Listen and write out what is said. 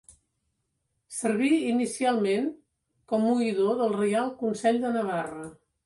Serví inicialment com oïdor del Reial Consell de Navarra.